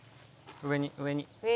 「上に上にね」